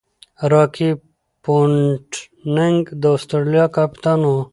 راكي پونټنګ د اسټرالیا کپتان وو.